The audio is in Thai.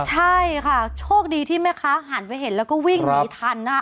ใช่ค่ะโชคดีที่แม่ค้าหันไปเห็นแล้วก็วิ่งหนีทันนะคะ